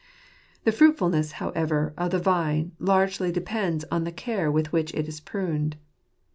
The fruitfulness , however , of the vine largely depends on the care with which it is pruned.